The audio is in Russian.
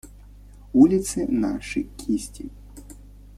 Улицы – наши кисти.